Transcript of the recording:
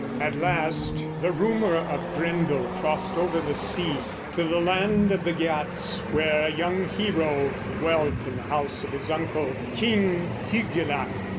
At last the rumor of Grendel crossed over the sea to the land of the Geats, where a young hero dwelt in the house of his uncle, King Hygelac.